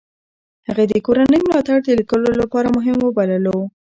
هغې د کورنۍ ملاتړ د لیکلو لپاره مهم وبللو.